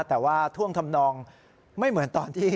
แต่ว่าท่วงทำนองไม่เหมือนตอนที่